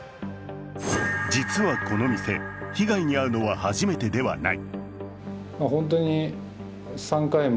実はこの店、被害に遭うのは初めてではない。